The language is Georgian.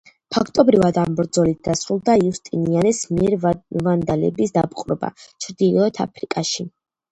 ფაქტობრივად ამ ბრძოლით დასრულდა იუსტინიანეს მიერ ვანდალების დაპყრობა ჩრდილოეთ აფრიკაში.